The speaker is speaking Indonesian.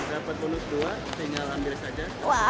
dapat bonus dua tinggal ambil saja